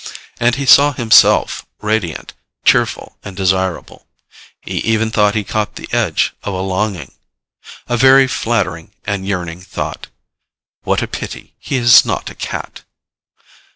And he saw himself radiant, cheerful and desirable. He even thought he caught the edge of a longing A very flattering and yearning thought: _What a pity he is not a cat.